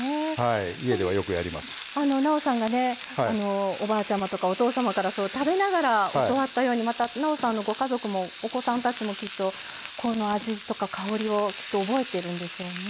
なおさんがねおばあちゃまとかお父様から食べながら教わったようにまたなおさんのご家族もお子さんたちもきっとこの味とか香りをきっと覚えてるんでしょうね。